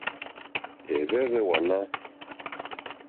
Ɛ̀hwɛ́hwɛ́ wààná.